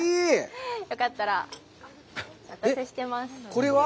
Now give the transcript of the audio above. これは？